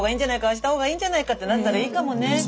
あした方がいいんじゃないかってなったらいいかもね。